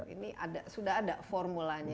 ini sudah ada formulanya